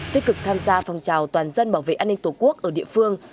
tích cực tham gia phòng trào toàn dân bảo vệ an ninh tổ quốc ở địa phương